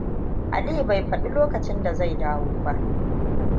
Aliyu bai faɗi lokacin da zai dawo ba.